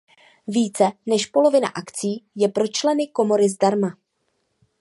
Více než polovina akcí je pro členy Komory zdarma.